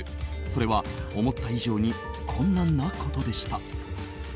それは思った以上に困難なことでした。